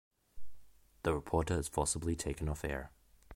The reporter is forcibly taken off air.